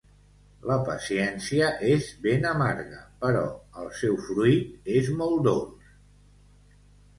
La paciència és ben amarga, però el seu fruit és molt dolç.